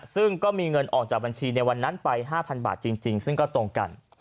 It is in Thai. ซึ่งก็มีเงินออกจากบัญชีในวันนั้นไป๕๐๐บาทจริงซึ่งก็ตรงกัน